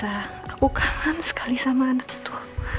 aku kaget sekali sama anak itu